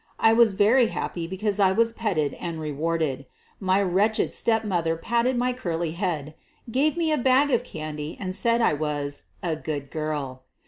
I was very happy because I was petted and rewarded; my wretched stepmother patted my curly head, gave me a bag of candy, and said I was a "good girl."